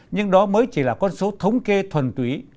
nhưng đó mới chỉ là con số thống kê thuần túy